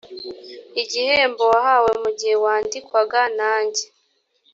igihembo wahawe mu gihe wandikwaga nanjye